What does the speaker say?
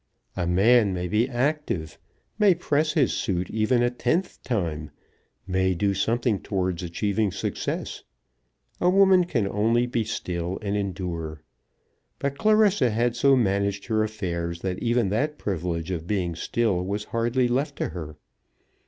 A man may be active, may press his suit even a tenth time, may do something towards achieving success. A woman can only be still and endure. But Clarissa had so managed her affairs that even that privilege of being still was hardly left to her.